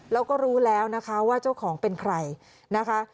แล้วก็รู้แล้วนะคะว่าเจ้าของเป็นใครนะคะ